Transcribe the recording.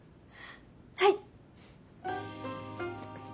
はい！